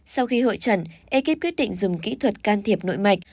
sau khi hội trần ekip quyết định dùng kỹ thuật can thiệp nội mạch